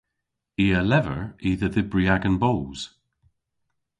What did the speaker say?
I a lever i dhe dhybri agan boos.